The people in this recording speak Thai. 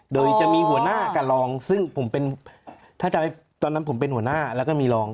โดยจะมีหัวหน้ากับรองซึ่งผมเป็นถ้าจำได้ตอนนั้นผมเป็นหัวหน้าแล้วก็มีรอง